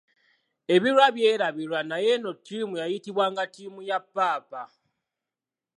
Ebirwa byerabirwa naye eno ttiimu yayitibwanga ttiimu ya Paapa.